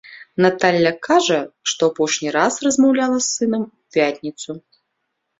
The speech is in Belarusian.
Наталля кажа, што апошні раз размаўляла з сынам у пятніцу.